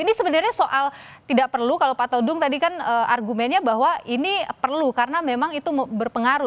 ini sebenarnya soal tidak perlu kalau pak todung tadi kan argumennya bahwa ini perlu karena memang itu berpengaruh